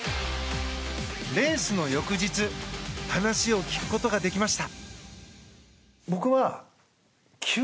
レースの翌日話を聞くことができました。